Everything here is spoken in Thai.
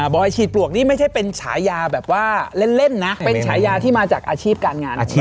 อยฉีดปลวกนี่ไม่ใช่เป็นฉายาแบบว่าเล่นนะเป็นฉายาที่มาจากอาชีพการงานอาชีพ